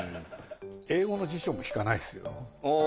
英語の辞書も引かないですよ。